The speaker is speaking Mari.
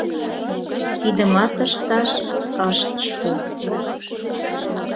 Тидымат ышташ ышт шу.